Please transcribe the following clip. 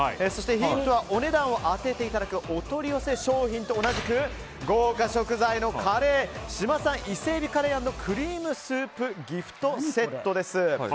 そして、ヒントはお値段を当てていただくお取り寄せ商品と同じく豪華食材のカレー伊勢志摩伊勢海老カレー＆クリームスープギフトセットです。